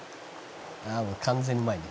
「もう完全にうまいね」